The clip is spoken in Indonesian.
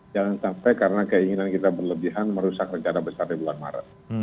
jangan sampai karena keinginan kita berlebihan merusak rencana besar di bulan maret